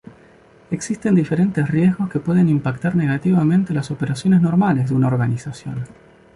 Existen diferentes riesgos que pueden impactar negativamente las operaciones normales de una organización.